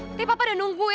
nanti papa udah nungguin